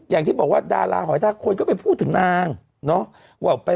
อย่างที่บอกว่าดาราหอยทาคนก็ไปพูดถึงนางเนาะ